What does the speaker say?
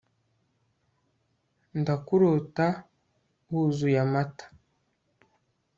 ndakurota wuzuye amata